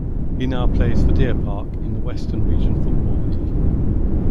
He now plays for Deer Park in the Western Region Football League.